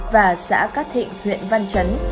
và xã cát thịnh huyện văn chấn